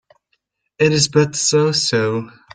It is but so-so